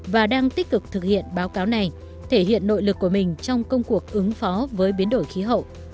và đang tích cực thực hiện báo cáo này thể hiện nội lực của mình trong công cuộc ứng phó với biến đổi khí hậu